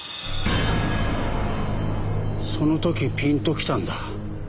その時ピンと来たんだ。